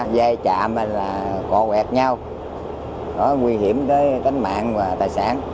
giai trạm là cò quẹt nhau đó nguy hiểm tới cánh mạng và tài sản